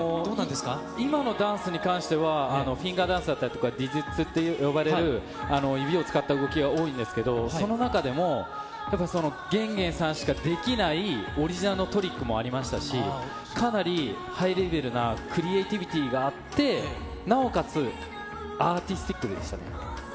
今のダンスに関しては、フィンガーダンスだったりとか、って呼ばれる、指を使った動きが多いんですけど、その中でも、やっぱ源元さんしかできないオリジナルのトリックもありましたし、かなりハイレベルな、クリエイティビティーがあって、なおかつアーティスティックでしたね。